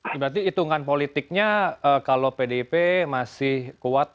berarti hitungan politiknya kalau pdip masih kuat untuk sistem pemilihan